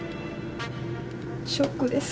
ショックです。